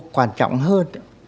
quan trọng hơn